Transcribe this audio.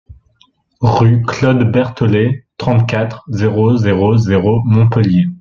Rue Claude Berthollet, trente-quatre, zéro zéro zéro Montpellier